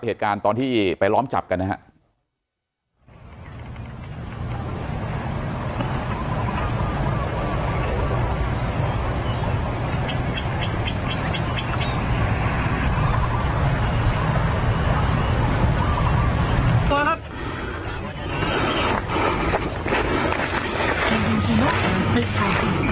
เหตุการณ์ตอนที่ไปล้อมจับกันนะครับ